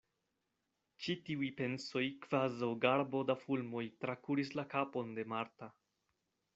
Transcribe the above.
Ĉi tiuj pensoj kvazaŭ garbo da fulmoj trakuris la kapon de Marta.